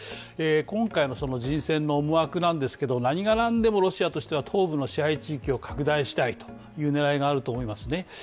今回の人選の思惑なんですけれども、何が何でもロシアとしては東部の支配地域を拡大したいという狙いがあると思いますね。